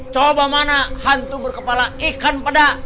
coba mana hantu berkepala ikan pedak